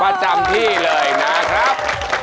ประจำที่เลยนะครับ